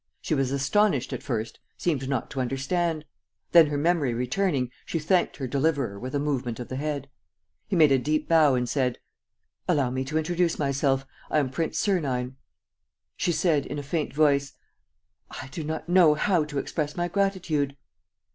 She was astonished at first, seemed not to understand. Then, her memory returning, she thanked her deliverer with a movement of the head. He made a deep bow and said: "Allow me to introduce myself. ... I am Prince Sernine. ..." She said, in a faint voice: "I do not know how to express my gratitude."